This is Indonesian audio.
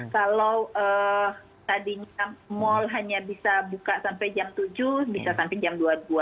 kalau tadinya mall hanya bisa buka sampai jam tujuh bisa sampai jam dua puluh dua